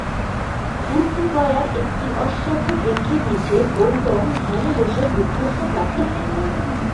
বুদ্ধগয়ায় একটি অশ্বত্থ বৃক্ষের নিচে গৌতম ধ্যানে বসে বুদ্ধত্ব প্রাপ্ত হন।